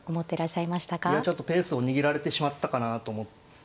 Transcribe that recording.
いやちょっとペースを握られてしまったかなと思って